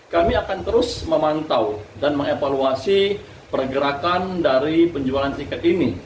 kami akan terus memantau dan mengevaluasi pergerakan dari penjualan tiket ini